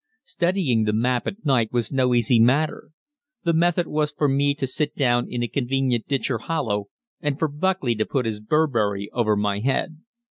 Studying the map at night was no easy matter. The method was for me to sit down in a convenient ditch or hollow, and for Buckley to put his Burberry over my head.